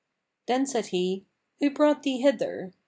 Then said he, "Who brought thee hither?"